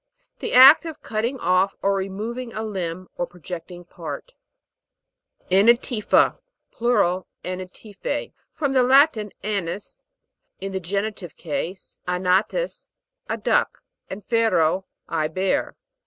The act of cut ting off or removing a limb or projecting part ANA'TIFA. Plural, anatifa. From the Latin, anas, in the genitive case, flwafcts, a duck, and fero, I bear.